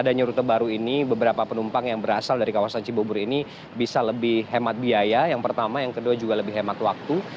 adanya rute baru ini beberapa penumpang yang berasal dari kawasan cibubur ini bisa lebih hemat biaya yang pertama yang kedua juga lebih hemat waktu